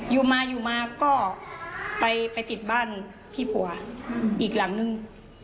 อยู่มาอยู่มาก็ไปติดบ้านพี่ผัวอีกหลังนึง